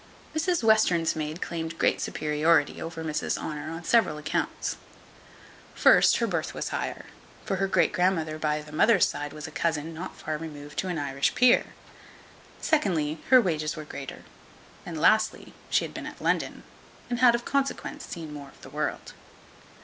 Mrs Western's maid claimed great superiority over Mrs Honour on several accounts. First, her birth was higher; for her great grandmother by the mother's side was a cousin, not far removed, to an Irish peer. Secondly, her wages were greater. And lastly, she had been at London, and had of consequence seen more of the world.